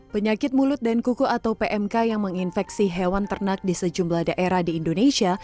penyakit mulut dan kuku atau pmk yang menginfeksi hewan ternak di sejumlah daerah di indonesia